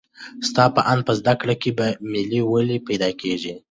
ستا په اند په زده کړه کې بې میلي ولې پیدا کېږي؟